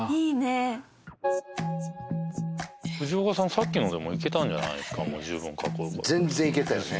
さっきのでもいけたんじゃないですかもう十分かっこよかった全然いけたよね